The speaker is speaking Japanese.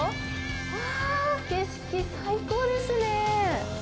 わー、景色最高ですね。